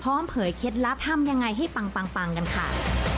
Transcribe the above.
เผยเคล็ดลับทำยังไงให้ปังกันค่ะ